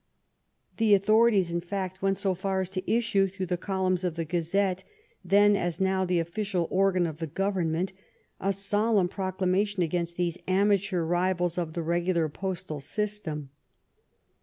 The authorities, in fact, went so far as to issue through the columns of the Gazette, then as now the official organ of the government, a solemn procla mation against these amateur rivals of the regular postal system.